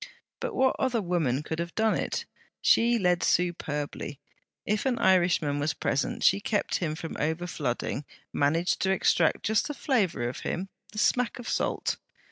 But what other woman could have done it! She led superbly. If an Irishman was present, she kept him from overflooding, managed to extract just the flavour of him, the smack of salt.